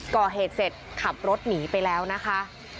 ก่อเหตุเสร็จขับรถหนีไปแล้วนะคะ